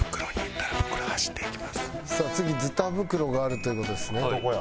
さあ次ずた袋があるという事ですね。